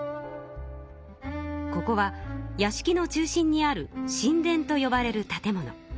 ここはやしきの中心にある寝殿とよばれる建物。